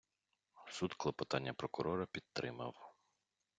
Суд клопотання прокурора підтримав.